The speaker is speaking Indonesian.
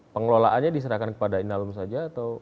pengelolaannya diserahkan kepada indalum saja